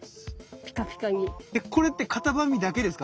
これってカタバミだけですか？